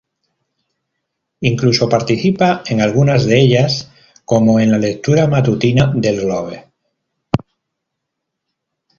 Incluso participa en alguna de ellas, como en la lectura matutina del "Globe".